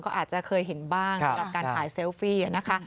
ก็อาจจะเคยเห็นบ้างสำหรับการถ่ายเซลฟี่นะคะ